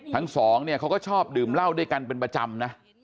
ทั้งสองเนี่ยเขาก็ชอบดื่มเหล้าด้วยกันเป็นประจำนะ